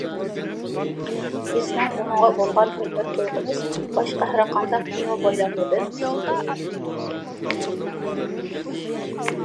بىزنىڭ ئۇنىڭغا بولغان ھۆرمەت تۇيغۇمىز باشقا ھەرقانداق كىنو بايراملىرىدىن ئۈستۈن تۇرىدۇ.